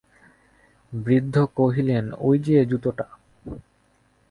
বৃদ্ধ কহিলেন, ঐ যে, ঐ জুতোটা।